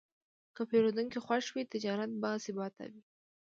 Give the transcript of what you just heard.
که پیرودونکی خوښ وي، تجارت باثباته وي.